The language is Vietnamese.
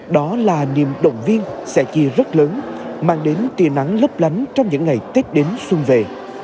đó là niềm động viên sẻ chia rất lớn mang đến tia nắng lấp lánh trong những ngày tết đến xuân về